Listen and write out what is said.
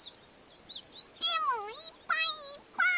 レモンいっぱいいっぱい！